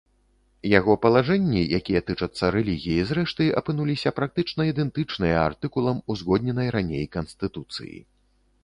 Яго палажэнні, якія тычацца рэлігіі, зрэшты, апынуліся практычна ідэнтычныя артыкулам узгодненай раней канстытуцыі.